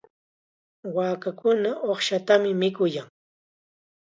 Waakakuna uqshatam mikuyan.